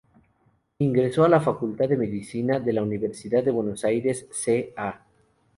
Ingresó a la Facultad de Medicina de la Universidad de Buenos Aires ca.